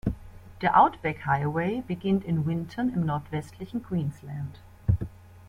Der Outback Highway beginnt in Winton im nordwestlichen Queensland.